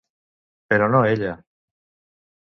Però no ella.